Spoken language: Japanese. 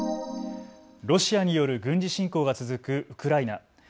ロシアによる軍事侵攻が続くウクライナ。